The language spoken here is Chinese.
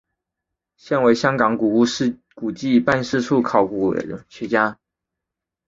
现为香港古物古迹办事处考古学家。